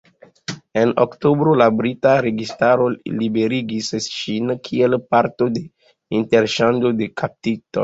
En oktobro la brita registaro liberigis ŝin kiel parto de interŝanĝo de kaptitoj.